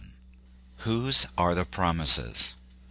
WHOSE ARE THE PROMISES?